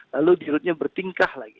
lalu dirutnya bertingkah lagi